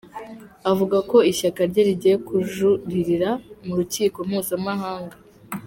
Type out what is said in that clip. Avuga ko ishyaka rye rigiye kujuririra mu rukiko mpuzamahanga.